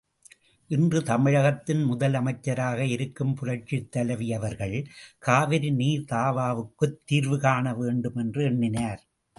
இன்று தமிழகத்தின் முதலமைச்சராக இருக்கும் புரட்சித்தலைவி அவர்கள் காவிரி நீர் தாவாவுக்குத் தீர்வுகாண வேண்டும் என்று எண்ணினார்.